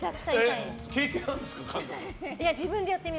経験あるんですか？